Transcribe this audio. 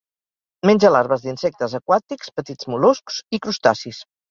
Menja larves d'insectes aquàtics, petits mol·luscs i crustacis.